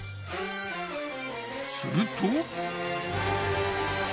すると。